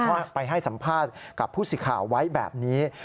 เพราะไปให้สัมภาษณ์กับผู้สิข่าวไว้แบบนี้